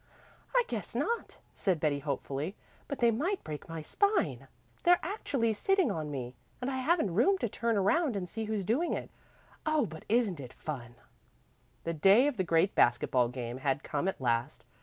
"I guess not," said Betty hopefully, "but they might break my spine. They're actually sitting on me, and I haven't room to turn around and see who's doing it. Oh, but isn't it fun!" The day of the great basket ball game had come at last.